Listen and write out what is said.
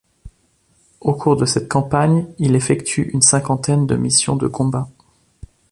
Au cours de cette campagne, il effectue une cinquantaine de missions de combat.